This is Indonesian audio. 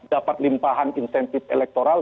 dapat limpahan insentif elektoral